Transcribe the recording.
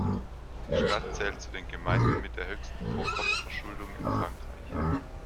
Die Stadt zählt zu den Gemeinden mit der höchsten Pro-Kopf-Verschuldung in Frankreich.